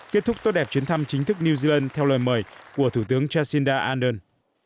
kết thúc tốt đẹp chuyến thăm chính thức new zealand theo lời mời của thủ tướng jacinda ardern